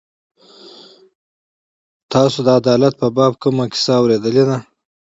تاسو د عدالت په باب کومه کیسه اورېدلې ده.